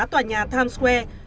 tòa nhà times square